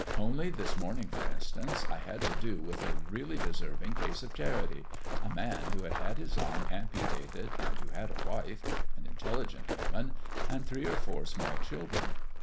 Only this morning, for instance, I had to do with a really deserving case of charity a man who had had his arm amputated and who had a wife an intelligent woman and three or four small children.